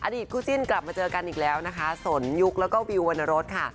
คู่จิ้นกลับมาเจอกันอีกแล้วนะคะสนยุคแล้วก็วิววรรณรสค่ะ